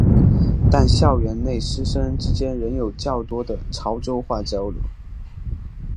但校园内师生之间仍有较多的潮州话交流。